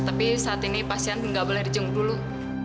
tapi saat ini pasien juga nggak boleh dijunggu dulu